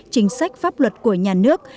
chính sách pháp luật của nhà nước